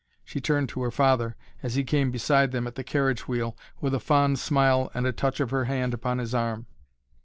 She turned to her father, as he came beside them at the carriage wheel, with a fond smile and a touch of her hand upon his arm.